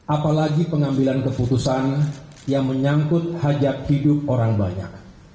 apalagi pengambilan keputusan yang menyangkut hajat hidup orang banyak